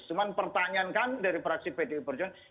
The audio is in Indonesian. cuman pertanyaan kan dari praksi pdi perjalanan